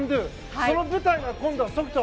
その舞台が今度、ソフト。